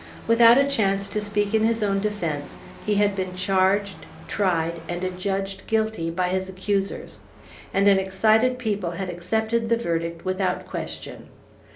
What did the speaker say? Without a chance to speak in his own defence, he had been charged, tried, and adjudged guilty by his accusers; and an excited people had accepted the verdict without question.